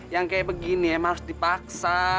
yang kayak begini emang harus dipaksa